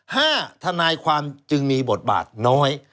ทนายความจึงมีบทบาทน้อย